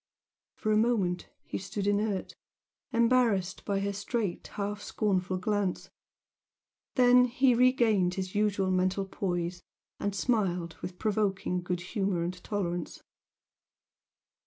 For a moment he stood inert, embarrassed by her straight, half scornful glance then he regained his usual mental poise and smiled with provoking good humour and tolerance.